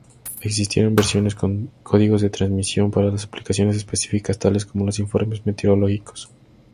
Existieron versiones con códigos de transmisión para aplicaciones específicas, tales como los informes meteorológicos.